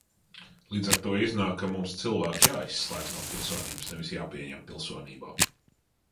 Līdz ar to iznāk, ka mums cilvēki jāizslēdz no pilsonības, nevis jāpieņem pilsonībā.